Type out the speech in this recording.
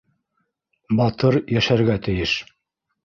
Батыр... йәшәргә тейеш.